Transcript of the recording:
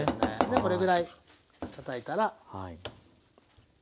これぐらいたたいたら。